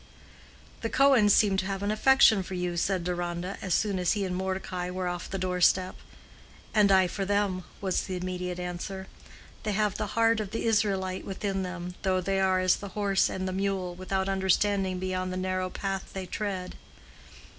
"The Cohens seem to have an affection for you," said Deronda, as soon as he and Mordecai were off the doorstep. "And I for them," was the immediate answer. "They have the heart of the Israelite within them, though they are as the horse and the mule, without understanding beyond the narrow path they tread."